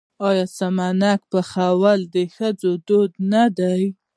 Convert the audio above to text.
آیا سمنک پخول د ښځو دود نه دی؟